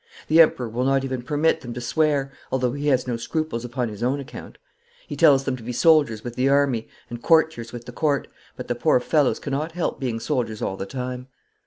The Emperor will not even permit them to swear, although he has no scruples upon his own account. He tells them to be soldiers with the army, and courtiers with the Court, but the poor fellows cannot help being soldiers all the time.